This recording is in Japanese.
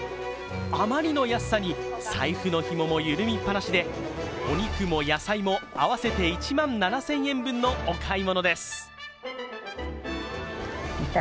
あまりの安さに財布のひもも緩みっぱなしでお肉も野菜も合わせて１万７０００円分のお買い物です。